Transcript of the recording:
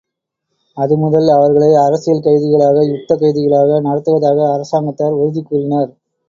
அது முதல் அவர்களை அரசியல் கைதிகளாக, யுத்தக் கைதிகளாக நடத்துவதாக அரசாங்கத்தார் உறுதி கூறினர்.